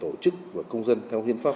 tổ chức giới chấp tội phạm